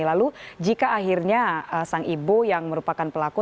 lalu jika akhirnya sang ibu yang merupakan pelaku